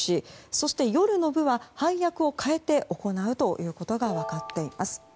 そして夜の部は配役を変えて行うということが分かっています。